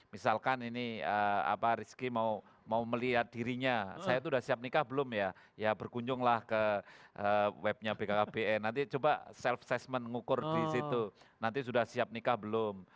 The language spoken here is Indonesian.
misalkan ini apa rizky mau melihat dirinya saya sudah siap nikah belum ya ya berkunjunglah ke webnya bkkbn nanti coba self assessment ngukur di situ nanti sudah siap nikah belum